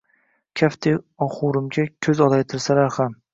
kaftdek oxurimga koʼz olaytirsalar ham